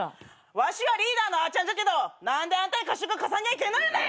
わしがリーダーのあちゃんじゃけど何であんたにかしゆか貸さにゃいけんのよね！